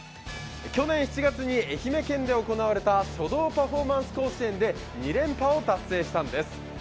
去年７月に愛媛県で行われた書道パフォーマンス甲子園で２連覇を達成したんです。